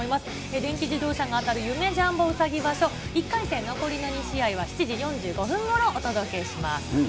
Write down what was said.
電気自動車が当たる夢・ジャンボうさぎ場所、１回戦残りの２試合は７時４５分ごろお届けします。